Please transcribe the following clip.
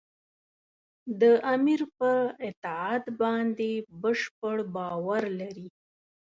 د امیر پر اطاعت باندې بشپړ باور لري.